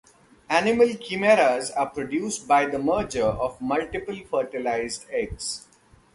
Animal chimeras are produced by the merger of multiple fertilized eggs.